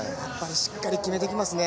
しっかり決めてきますね。